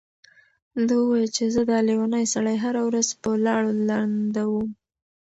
ده وويل چې زه دا لېونی سړی هره ورځ په لاړو لندوم.